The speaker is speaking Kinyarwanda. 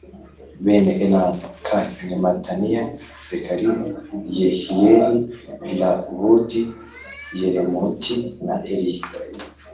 Bene elamu k ni mataniya zekariya yehiyeli l abudi yeremoti na eliya